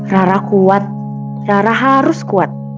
rara kuat rara harus kuat